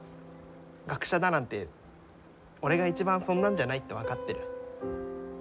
学者だなんて俺が一番そんなんじゃないって分かってる。